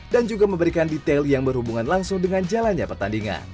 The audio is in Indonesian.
dan juga memberikan detail yang berhubungan langsung dengan jalannya pertandingan